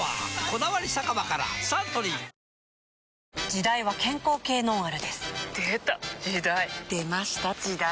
「こだわり酒場」からサントリー時代は健康系ノンアルですでた！時代！出ました！時代！